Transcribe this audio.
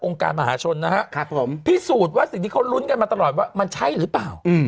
การมหาชนนะครับผมพิสูจน์ว่าสิ่งที่เขาลุ้นกันมาตลอดว่ามันใช่หรือเปล่า